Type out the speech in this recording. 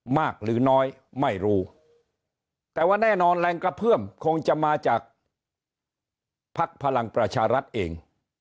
หรือน้อยไม่รู้แต่ว่าแน่นอนแรงกระเพื่อมคงจะมาจากภักดิ์พลังประชารัฐเอง